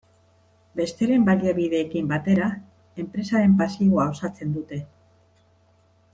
Besteren baliabideekin batera enpresaren pasiboa osatzen dute.